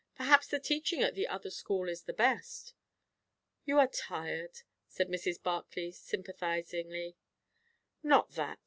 Perhaps the teaching at the other school is the best." "You are tired," said Mrs. Barclay sympathizingly. "Not that.